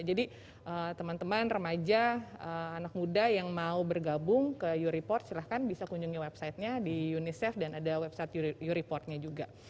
jadi teman teman remaja anak muda yang mau bergabung ke u report silahkan bisa kunjungi website nya di unicef dan ada website u report nya juga